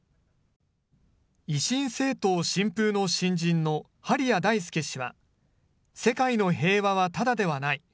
維新政党・新風の新人の針谷大輔氏は世界の平和はただではない。